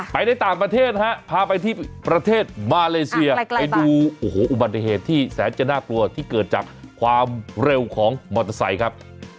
ในต่างประเทศฮะพาไปที่ประเทศมาเลเซียไปดูโอ้โหอุบัติเหตุที่แสนจะน่ากลัวที่เกิดจากความเร็วของมอเตอร์ไซค์ครับ